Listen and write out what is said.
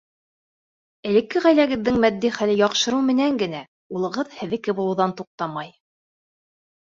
— Элекке ғаиләгеҙҙең матди хәле яҡшырыу менән генә улығыҙ һеҙҙеке булыуҙан туҡтамай.